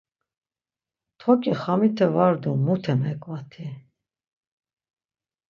Toǩi xamite var do mute meǩvati?